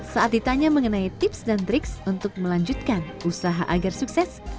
saat ditanya mengenai tips dan triks untuk melanjutkan usaha agar sukses